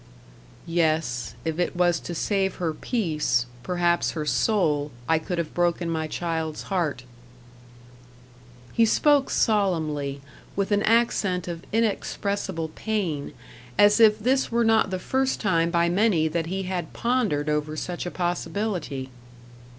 "Yes, if it was to save her peace, perhaps her soul, I could have broken my child's heart." He spoke solemnly, with an accent of inexpressible pain, as if this were not the first time by many that he had pondered over such a possibility.